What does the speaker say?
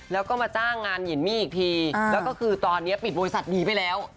แล้วก็มาจ้างงานหญิงมี่อีกทีแล้วก็คือตอนนี้ปิดบริษัทดีไปแล้ว